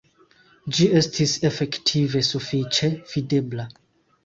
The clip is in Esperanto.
Ĝi estis efektive sufiĉe videbla.